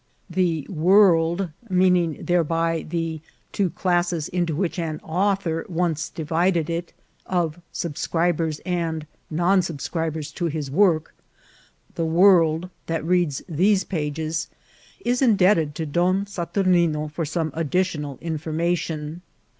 The world — meaning thereby the two classes into which an author once divided it, of subscribers and non subscribers to his work — the world that reads these pages is indebted to Don Saturnino for some additional information.